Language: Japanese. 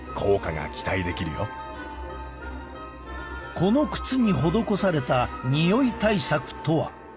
この靴に施されたにおい対策とは。